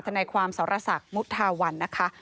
นายความสรศักดิ์มุทาวันนะคะ